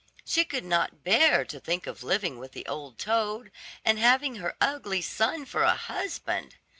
She could not bear to think of living with the old toad, and having her ugly son for a husband.